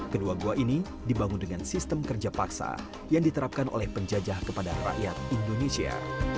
kedua gua ini dibangun dengan sistem kerja paksa yang diterapkan oleh penjajah kepada rakyat indonesia